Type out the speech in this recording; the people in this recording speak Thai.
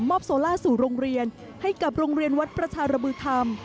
โซล่าสู่โรงเรียนให้กับโรงเรียนวัดประชาระบือธรรม